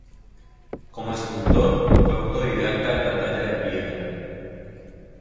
Como escultor, fue autodidacta en la talla de piedra.